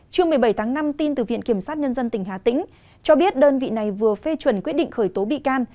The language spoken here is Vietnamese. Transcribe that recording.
chương một mươi bảy tháng năm tin từ viện kiểm sát nhân dân tỉnh hà tĩnh cho biết đơn vị này vừa phê chuẩn quyết định khởi tố bị can